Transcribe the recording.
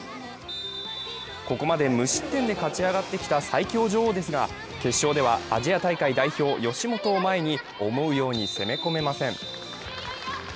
ここまで無失点で勝ち上がってきた最強女王ですが、決勝ではアジア大会代表・吉元を前に思うように攻め込めません。